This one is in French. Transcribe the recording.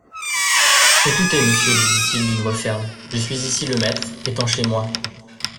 Écoutez, monsieur, lui dit-il d'une voix ferme, je suis ici le maître, étant chez moi.